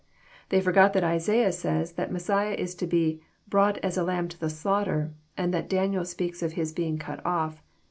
They forgot that Isaiah says that Messiah is to be '< brought as a lamb to the slaughter," and that Daniel speaks of His being << cut off."